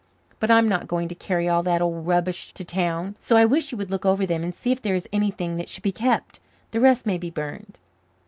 But I'm not going to carry all that old rubbish to town. So I wish you would look over them and see if there is anything that should be kept. The rest may be burned."